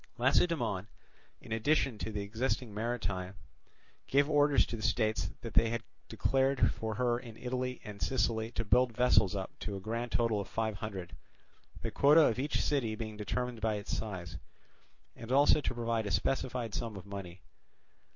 Lacedaemon, in addition to the existing marine, gave orders to the states that had declared for her in Italy and Sicily to build vessels up to a grand total of five hundred, the quota of each city being determined by its size, and also to provide a specified sum of money.